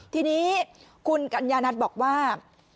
ทีนี้คุณกัญญานัทบอกว่า